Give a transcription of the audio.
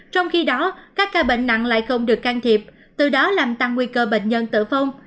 trong khi đó các ca bệnh nặng lại không được can thiệp từ đó làm tăng nguy cơ bệnh nhân tử vong